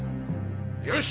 よし！